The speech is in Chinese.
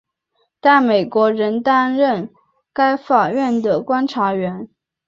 但美国仍担任该法院的观察员。